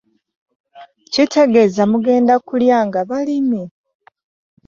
Kitegeeza mugenda kulya nga balimi.